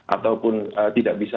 ataupun tidak bisa